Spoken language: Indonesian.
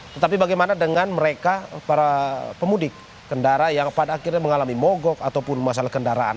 tetapi bagaimana dengan mereka para pemudik kendara yang pada akhirnya mengalami mogok ataupun masalah kendaraan